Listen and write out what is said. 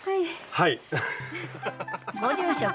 はい！